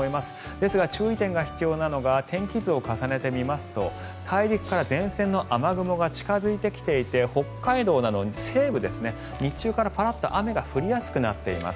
ですが注意点が必要なのが天気図を重ねてみますと大陸から前線の雨雲が近付いてきていて北海道の西部、日中からパラッと雨が降りやすくなっています。